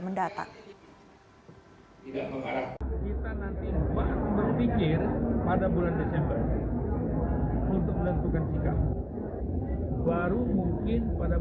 kita nanti berpikir pada bulan desember untuk melentukan sikap